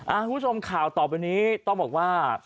คุณผู้ชมข่าวต่อไปนี้ต้องบอกว่า